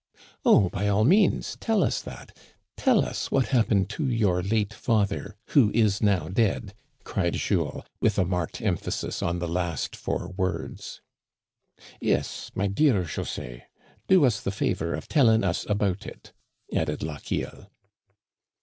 " Oh, by all means, tell us that ; tell us what hap pened to your late father who is now dead," cried Jules, with a marked emphasis on the last four words. Yes, my dear José, do us the favor of telling us about it," added Lochiel.